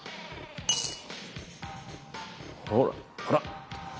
あら。